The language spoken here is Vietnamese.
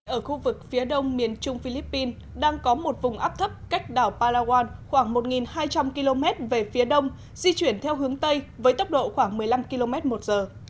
ở khu vực phía đông miền trung philippines đang có một vùng áp thấp cách đảo palawan khoảng một hai trăm linh km về phía đông di chuyển theo hướng tây với tốc độ khoảng một mươi năm km một giờ